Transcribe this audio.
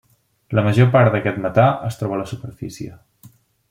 La major part d'aquest metà es troba a la superfície.